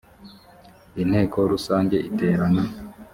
inteko rusange iterana